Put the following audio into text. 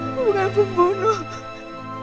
aku bukan pembunuh